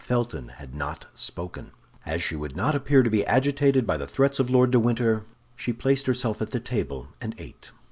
Felton had not spoken. As she would not appear to be agitated by the threats of Lord de Winter, she placed herself at the table and ate.